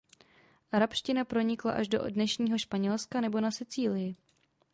Arabština pronikla až do dnešního Španělska nebo na Sicílii.